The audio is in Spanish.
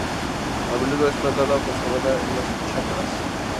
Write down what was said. A menudo es plantada o conservada en las chacras.